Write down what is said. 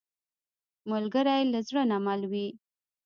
ملګری له زړه نه مل وي